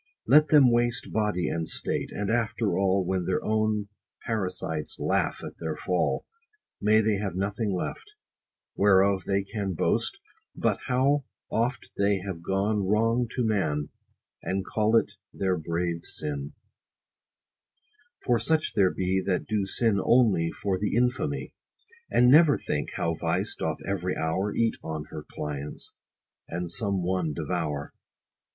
Let them waste body and state ; and after all, When their own parasites laugh at their fall, May they have nothing left, whereof they can Boast, but how oft they have gone wrong to man, And call it their brave sin : for such there be That do sin only for the infamy ; And never think, how vice doth every hour Eat on her clients, and some one devour.